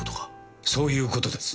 そういう事です。